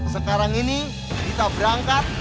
sekarang ini kita berangkat